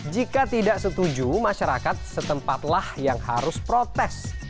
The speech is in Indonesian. jika tidak setuju masyarakat setempatlah yang harus protes